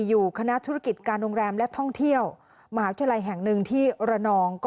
อยู่คณะธุรกิจการโรงแรมและท่องเที่ยวมหาวิทยาลัยแห่งหนึ่งที่ระนอง